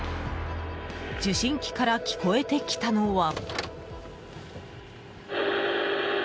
受信機から聞こえてきたのは。